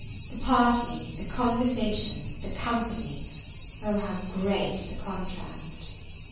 The party the conversation the company O how great the contrast!